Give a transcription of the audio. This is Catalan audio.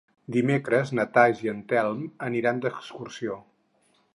Dimecres na Thaís i en Telm aniran d'excursió.